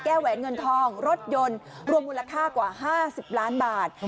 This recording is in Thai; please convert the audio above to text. แหวนเงินทองรถยนต์รวมมูลค่ากว่า๕๐ล้านบาท